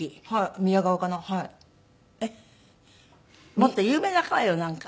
もっと有名な川よなんか。